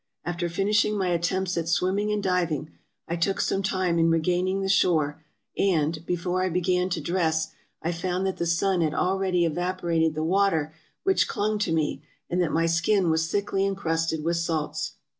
After finishing my attempts at swimming and diving, I took some time in regaining the shore; and, before I began to dress, I found that the sun had already evaporated the water which clung to me, and that my skin was thickly incrusted with salts.